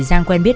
giang quen biết